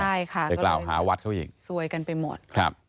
ใช่ค่ะก็เลยสวยกันไปหมดครับเด็กราวหาวัดเขาอีก